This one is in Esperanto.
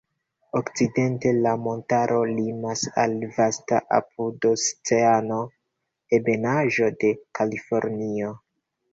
Okcidente la montaro limas al vasta apudoceana ebenaĵo de Kalifornio.